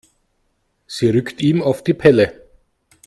Sie rückt ihm auf die Pelle.